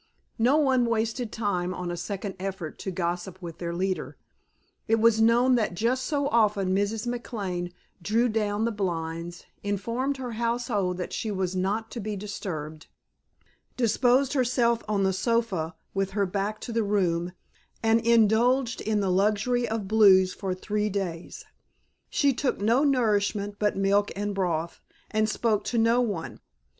No one wasted time on a second effort to gossip with their leader; it was known that just so often Mrs. McLane drew down the blinds, informed her household that she was not to be disturbed, disposed herself on the sofa with her back to the room and indulged in the luxury of blues for three days. She took no nourishment but milk and broth and spoke to no one.